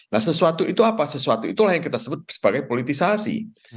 nah sesuatu itu apa sesuatu itulah yang kita sebut sebagai politisasi